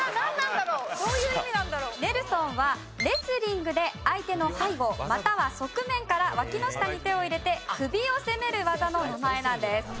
「ネルソン」はレスリングで相手の背後または側面からわきの下に手を入れて首を攻める技の名前なんです。